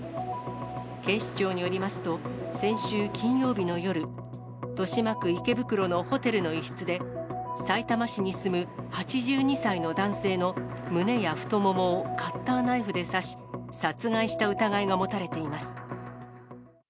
警視庁によりますと、先週金曜日の夜、豊島区池袋のホテルの一室で、さいたま市に住む８２歳の男性の胸や太ももをカッターナイフで刺し、殺害した疑いが持たれています。